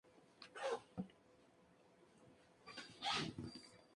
En casos de complicación se procede a cirugía.